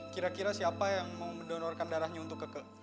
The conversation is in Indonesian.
kira kira siapa yang mau mendonorkan darahnya untuk keke